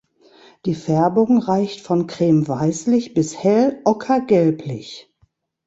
Die Färbung reicht von creme-weißlich bis hell ocker-gelblich.